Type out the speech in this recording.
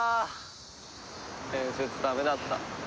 面接ダメだった。